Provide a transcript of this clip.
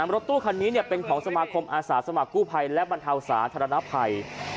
รถตู้คันนี้เป็นของสมาคมอาสาสมัครกู้ภัยและบรรเทาสาธารณภัย